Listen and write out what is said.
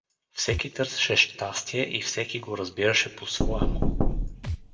Всеки търсеше щастие и всеки го разбираше по своему.